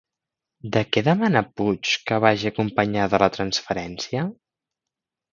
De què demana Puig que vagi acompanyada la transferència?